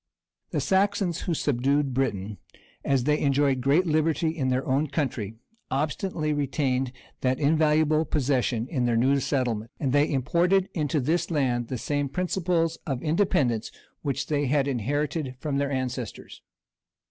The Saxons who subdued Britain, as they enjoyed great liberty in their own country, obstinately retained that invaluable possession in their new settlement; and they imported into this island the same principles of independence which they had inherited from their ancestors.